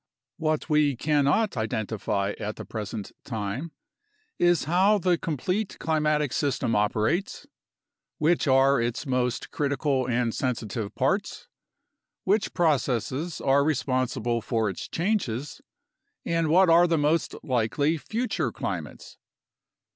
What we cannot identify at the present time is how the complete climatic system operates, which are its most critical and sensi tive parts, which processes are responsible for its changes, and what are the most likely future climates.